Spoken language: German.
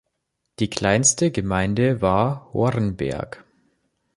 Die kleinste Gemeinde war Hornberg.